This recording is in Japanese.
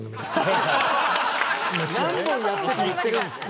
何本やってて言ってるんですか。